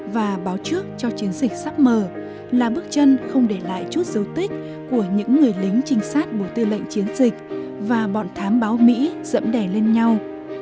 và báo trước cho chiến dịch sắc mờ là bước chân không để lại chút dấu tích của những người lính trinh sát bộ tư lệnh chiến dịch và bọn thám báo mỹ dẫm đè lên nhau